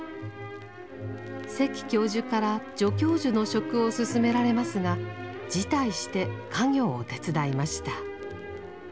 関教授から助教授の職をすすめられますが辞退して家業を手伝いました。